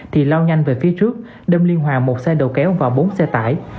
thì lao nhanh về phía trước đâm liên hoàng một xe đầu kéo và bốn xe tải